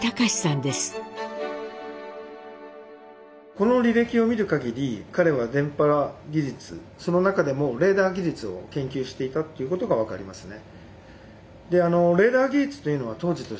この履歴を見る限り彼は電波技術その中でもレーダー技術を研究していたということが分かりますね。